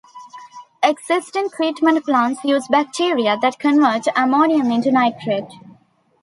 Existing treatment plants use bacteria that convert ammonium into nitrate.